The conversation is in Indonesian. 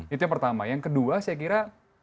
itu yang pertama yang kedua saya kira